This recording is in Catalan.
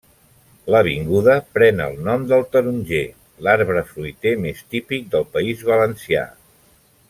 L'avinguda pren el nom del taronger, l'arbre fruiter més típic del País Valencià.